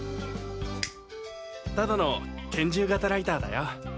ただの拳銃型ライターだよ。